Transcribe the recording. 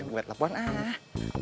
gue telepon ah